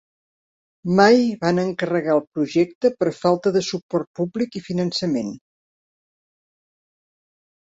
Mai van encarregar el projecte per falta de suport públic i finançament.